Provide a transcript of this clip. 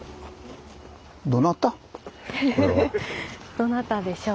どなたでしょう？